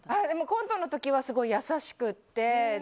コントの時はすごい優しくて。